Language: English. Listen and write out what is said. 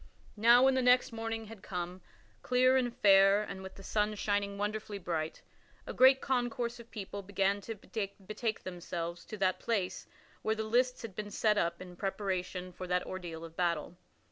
Now when the next morning had come clear and fair and with the sun shining wonderfully bright a great concourse of people began to betake themselves to that place where the lists had been set up in preparation for that ordeal of battle.